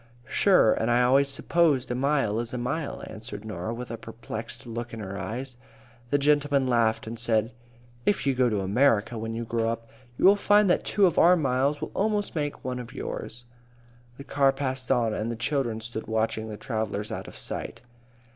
"Sure, and I always supposed a mile is a mile," answered Norah, with a perplexed look in her eyes. The gentleman laughed, and said, "If you go to America when you grow up, you will find that two of our miles will almost make one of yours." The car passed on, and the children stood watching the travellers out of sight.